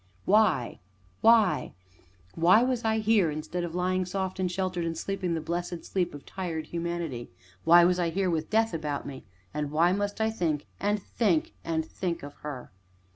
Why was I here instead of lying soft and sheltered, and sleeping the blessed sleep of tired humanity? Why was I here, with death about me and why must I think, and think, and think of Her?